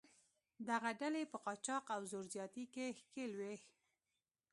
دغه ډلې په قاچاق او زور زیاتي کې ښکېل وې.